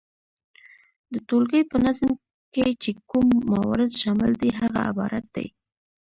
د ټولګي په نظم کي چي کوم موارد شامل دي هغه عبارت دي،